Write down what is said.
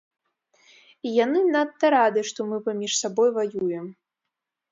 І яны надта рады, што мы паміж сабой ваюем.